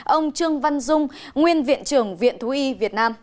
ông trương văn dung nguyên viện trưởng viện thúy việt nam